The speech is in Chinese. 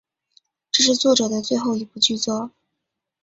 这是作者的最后一部剧作。